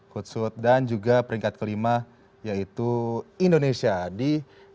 hoodsuit dan juga peringkat kelima yaitu indonesia di dua ribu tujuh puluh empat